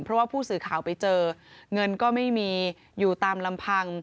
เพราะว่าผู้สื่อข่าวไปเจอเงินก็ไม่มีอยู่ตามลำพัง